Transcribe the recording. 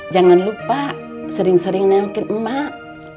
jangan lupa sering sering nengkir emak